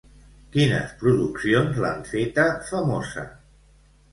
Quines produccions l'han feta famosa?